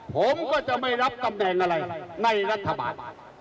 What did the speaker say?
ผมก็จะไม่รับตำแหน่งอะไรในรัฐบาล